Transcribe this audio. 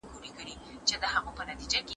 ممکن د محصولاتو کيفيت نور هم ښه سي.